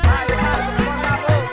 aduh aduh aduh aduh